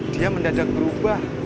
dia mendadak berubah